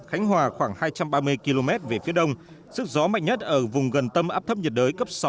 khánh hòa khoảng hai trăm ba mươi km về phía đông sức gió mạnh nhất ở vùng gần tâm áp thấp nhiệt đới cấp sáu